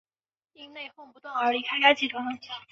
因内哄不断而离开该集团。